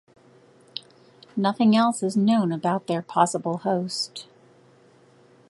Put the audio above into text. Nothing else is known about their possible host.